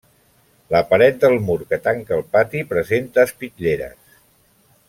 La paret del mur que tanca el pati presenta espitlleres.